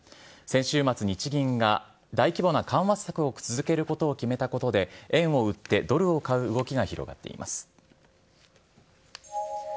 先週末、日銀が大規模な緩和策を続けることを決めたことで、円を売ってドルを買う動きが広がっています。